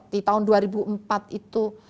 di tahun dua ribu empat itu